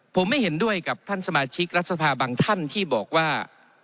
ผมไม่เห็นด้วยกับท่านสมาชิกรัฐสภาบางท่านที่บอกว่า